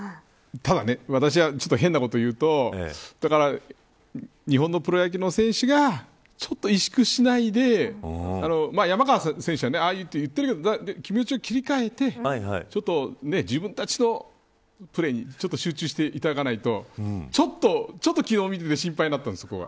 ただ、私はちょっと変なことを言うと日本のプロ野球の選手がちょっと萎縮しないで山川選手はああやって言ってるけど気持ちを切り替えて自分たちのプレーに集中していただかないとちょっと昨日見てて心配だったんですよ、僕は。